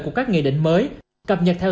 của các nghị định mới cập nhật theo